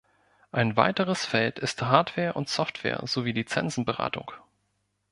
Ein weiteres Feld ist Hardware und Software sowie Lizenzen Beratung.